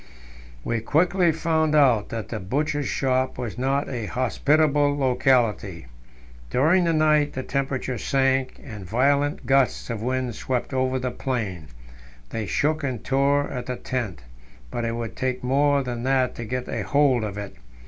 We quickly found out that the Butcher's Shop was not a hospitable locality. During the night the temperature sank, and violent gusts of wind swept over the plain; they shook and tore at the tent, but it would take more than that to get a hold of it.